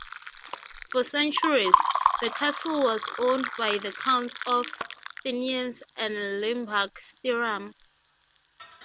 For centuries, the castle was owned by the counts of Thiennes and Limburg Stirum.